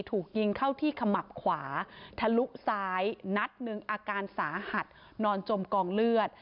ถูกยิงเข้าที่ขมับขวาทะลุซ้ายนัดหนึ่งอาการสาหัสนอนจมกองเลือด